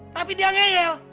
tapi dia ngeyel